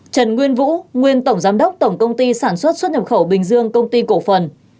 trần nguyên vũ nguyên tổng giám đốc tổng công ty sản xuất xuất nhập khẩu bình dương công ty cổ phần